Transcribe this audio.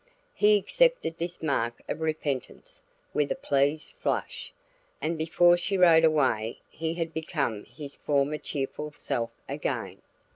He accepted this mark of repentance with a pleased flush, and before she rode away, he had become his former cheerful self again.